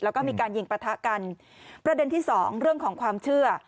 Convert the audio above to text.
แล้วก็มีการยิงปะทะกันประเด็นที่สองเรื่องของความเชื่อ